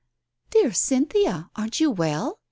" "Dear Cynthia, aren't you well?